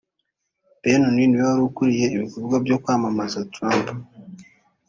Bannon niwe wari ukuriye ibikorwa byo kwamamaza Trump